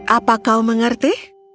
apa kau mengerti